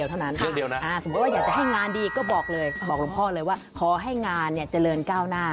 อยากจะให้งานดีก็บอกเลยบอกลงพ่อเลยว่าขอให้งานเจริญก้าวหน้า